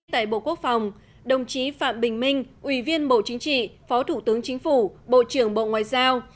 tại bộ quốc phòng đồng chí phạm bình minh ủy viên bộ chính trị phó thủ tướng chính phủ bộ trưởng bộ ngoại giao